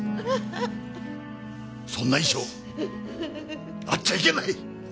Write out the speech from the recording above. そんな遺書あっちゃいけない！